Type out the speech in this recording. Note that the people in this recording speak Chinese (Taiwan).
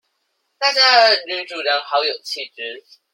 那家的女主人好有氣質